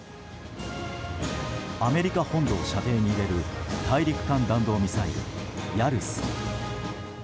アメリカ本土を射程に入れる大陸間弾道ミサイル、ヤルス。